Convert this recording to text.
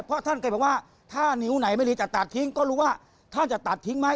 เพราะท่านเคยบอกว่าถ้านิ้วไหนไม่ดีจะตัดทิ้งก็รู้ว่าท่านจะตัดทิ้งไหม